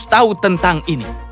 terus tahu tentang ini